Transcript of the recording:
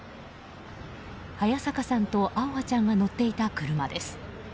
早坂さんと青遥ちゃんが乗っていた車です。